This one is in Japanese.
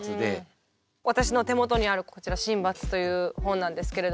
私の手元にあるこちら「神罰」という本なんですけれども。